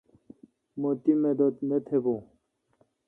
مہ تی مدد نہ تھبون۔